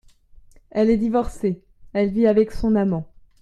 Elle est divorcée ; elle vit avec son amant.